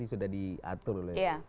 sudah diatur oleh